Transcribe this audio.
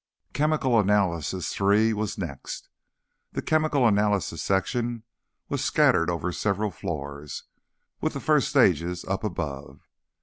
Chemical Analysis (III) was next. The Chemical Analysis Section was scattered over several floors, with the first stages up above.